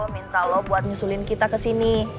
minta lo buat nyusulin kita kesini